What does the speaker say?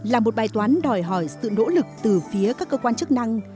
là một bài toán đòi hỏi sự nỗ lực từ phía các cơ quan chức năng